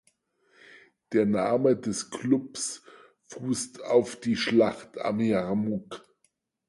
Der Name des Klubs fußt auf die Schlacht am Jarmuk.